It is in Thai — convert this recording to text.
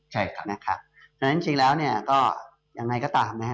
ฉะนั้นจริงแล้วอย่างไรก็ตามนะครับ